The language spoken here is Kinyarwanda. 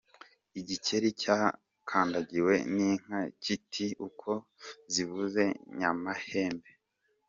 Igikeri cyakandagiwe n’inka kiti: uko zivuze nyamahembe.